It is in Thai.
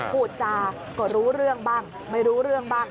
พูดจาก็รู้เรื่องบ้างไม่รู้เรื่องบ้าง